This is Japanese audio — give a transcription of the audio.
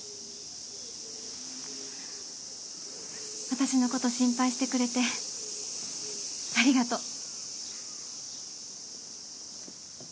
私の事心配してくれてありがとう。